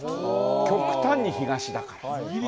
極端に東だから。